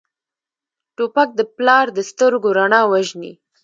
توپک د پلار د سترګو رڼا وژني.